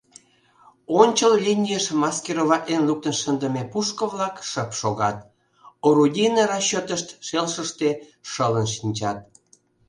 Ончыл линийыш маскироватлен луктын шындыме пушко-влак шып шогат, орудийный расчетышт шелшыште шылын шинчат.